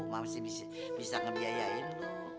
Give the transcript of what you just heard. masih bisa ngebiayain lo